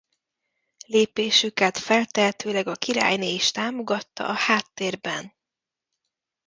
Lépésüket feltehetőleg a királyné is támogatta a háttérben.